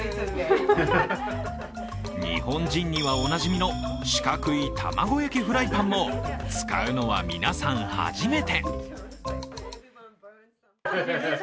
日本人にはおなじみの四角い玉子焼きフライパンも使うのは皆さん初めて。